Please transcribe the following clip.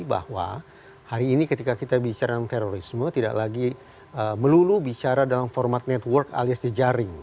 bahwa hari ini ketika kita bicara terorisme tidak lagi melulu bicara dalam format network alias jejaring